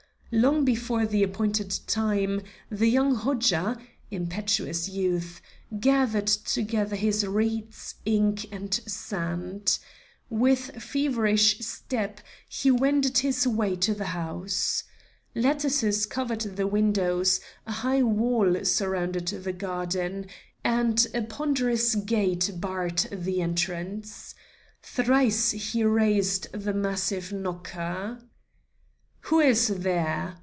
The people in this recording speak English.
Long before the appointed time, the young Hodja impetuous youth gathered together his reeds, ink, and sand. With feverish step he wended his way to the house. Lattices covered the windows, a high wall surrounded the garden, and a ponderous gate barred the entrance. Thrice he raised the massive knocker. "Who is there?"